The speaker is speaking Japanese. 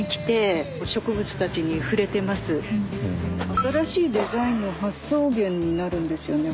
新しいデザインの発想源になるんですよね